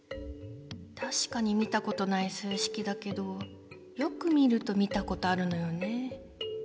たしかに見たことない数式だけどよく見ると見たことあるのよね。